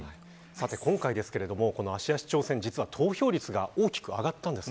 今回の芦屋市長選は投票率が大きく上がったんです。